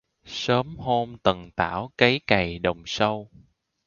Sớm hôm tần tảo cấy cày đồng sâu